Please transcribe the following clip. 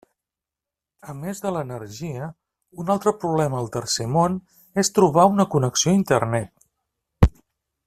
A més de l'energia, un altre problema al tercer món és trobar una connexió a Internet.